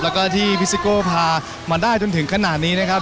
แล้วก็ที่พี่ซิโก้พามาได้จนถึงขนาดนี้นะครับ